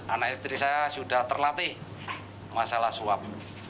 anak istri saya sudah terlatih masalah suap